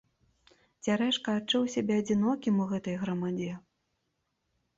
Цярэшка адчуў сябе адзінокім у гэтай грамадзе.